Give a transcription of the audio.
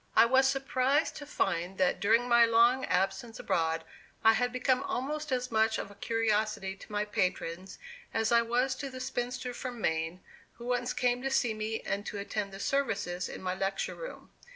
I was surprised to find that, during my long absence abroad, I had become almost as much of a curiosity to my patrons as I was to the spinster from Maine who once came to see me and to attend the "services" in my Lecture Room.